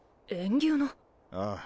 ああ。